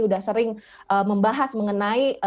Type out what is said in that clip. udah sering membahas mengenai